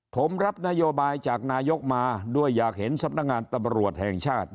ผมรับนโยบายจากนายกมาด้วยอยากเห็นสำนักงานตำรวจแห่งชาติ